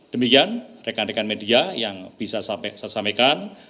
demikian rekan rekan media yang bisa saya sampaikan